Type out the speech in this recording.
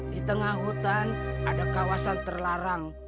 di tengah hutan ada kawasan terlarang